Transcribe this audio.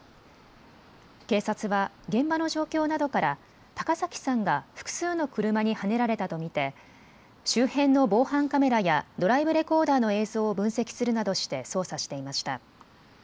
警察は現場の状況などから高崎さんが複数の車にはねられたと見て周辺の防犯カメラやドライブレコーダーの映像を分析するなどして捜査していました。